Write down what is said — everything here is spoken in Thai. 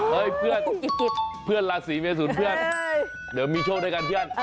เพื่อนเพื่อนราศีเมทุนเพื่อนเดี๋ยวมีโชคด้วยกันเพื่อน